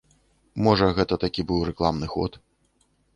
Можа, гэта такі быў рэкламны ход.